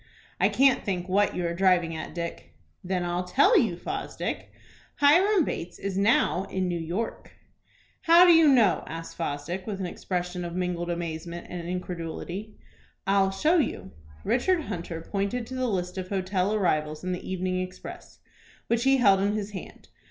I can't think what you are driving at, Dick." "Then I'll tell you, Fosdick. Hiram Bates is now in New York." "How do you know?" asked Fosdick, with an expression of mingled amazement and incredulity. "I'll show you." Richard Hunter pointed to the list of hotel arrivals in the "Evening Express," which he held in his hand.